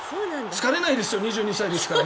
疲れないですよ２２歳ですから。